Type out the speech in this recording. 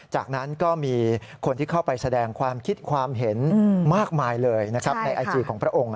จากนั้นก็มีคนที่เข้าไปแสดงความคิดความเห็นมากมายเลยในไอจีของพระองค์